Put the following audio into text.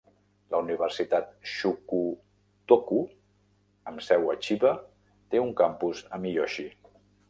La Universitat Shukutoku, amb seu a Chiba, té un campus a Miyoshi.